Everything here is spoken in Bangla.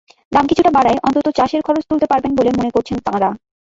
দাম কিছুটা বাড়ায় অন্তত চাষের খরচ তুলতে পারবেন বলে মনে করছেন তাঁরা।